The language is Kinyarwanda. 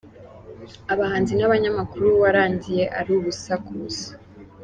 abahanzi nabanyamakuru warangiye ari ubusa ku busa.